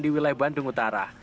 di wilayah bandung utara